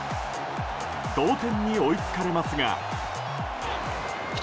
同点に追いつかれますが。